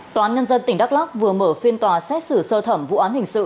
tòa án nhân dân tỉnh đắk lóc vừa mở phiên tòa xét xử sơ thẩm vụ án hình sự